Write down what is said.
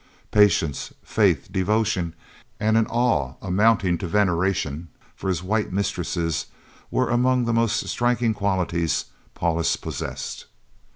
Patience, faith, devotion, and an awe amounting to veneration for his white mistresses were among the most striking qualities Paulus possessed.